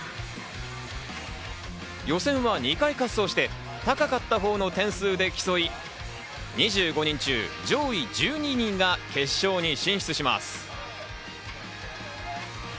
予選は２回滑走して、高かったほうの点数で競い、２５人中、上位１２人が決勝に進出します。